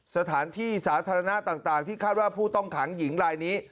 สถานที่สาธารณะต่างที่คาดว่าผู้ต้องขังหญิงลายนี้